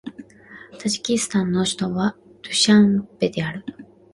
タジキスタンの首都はドゥシャンベである